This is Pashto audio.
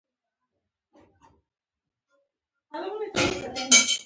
د روغتیايي سیستم په اړه د خلکو ادعاوې که څه هم شته دي.